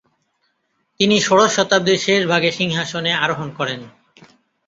তিনি ষোড়শ শতাব্দীর শেষ ভাগে সিংহাসনে আরোহণ করেন।